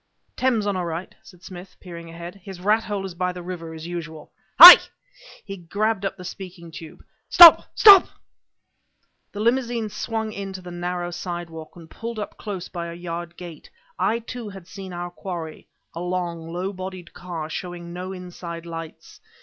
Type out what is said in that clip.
"Thames on our right," said Smith, peering ahead. "His rathole is by the river as usual. Hi!" he grabbed up the speaking tube "Stop! Stop!" The limousine swung in to the narrow sidewalk, and pulled up close by a yard gate. I, too, had seen our quarry a long, low bodied car, showing no inside lights.